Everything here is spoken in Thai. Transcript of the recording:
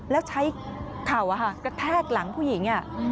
แล้วใช้เข่ากระแทกหลังผู้หญิง